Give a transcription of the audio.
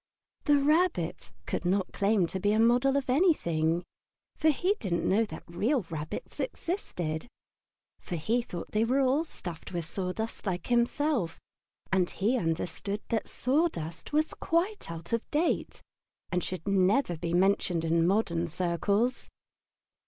The Rabbit could not claim to be a model of anything, for he didn't know that real rabbits existed; he thought they were all stuffed with sawdust like himself, and he understood that sawdust was quite out of date and should never be mentioned in modern circles.